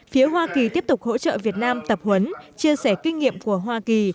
phía hoa kỳ tiếp tục hỗ trợ việt nam tập huấn chia sẻ kinh nghiệm của hoa kỳ